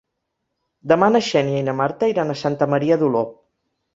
Demà na Xènia i na Marta iran a Santa Maria d'Oló.